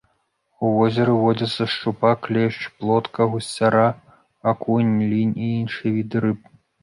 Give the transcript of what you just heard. У возеры водзяцца шчупак, лешч, плотка, гусцяра, акунь, лінь і іншыя віды рыб.